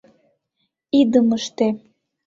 Идымыште